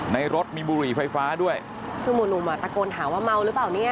ในรถมีบุหรี่ไฟฟ้าด้วยคือหมู่หนุ่มอ่ะตะโกนถามว่าเมาหรือเปล่าเนี่ย